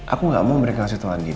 aku gak mau mereka ngasih tau andin